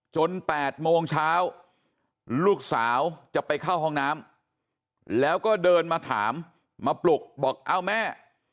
๘โมงเช้าลูกสาวจะไปเข้าห้องน้ำแล้วก็เดินมาถามมาปลุกบอกเอ้าแม่